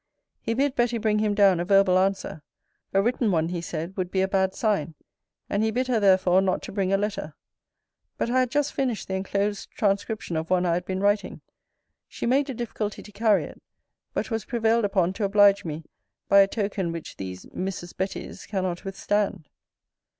He bid Betty bring him down a verbal answer: a written one, he said, would be a bad sign: and he bid her therefore not to bring a letter. But I had just finished the enclosed transcription of one I had been writing. She made a difficulty to carry it; but was prevailed upon to oblige me by a token which these Mrs. Betty's cannot withstand.